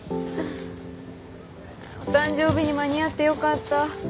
お誕生日に間に合って良かった。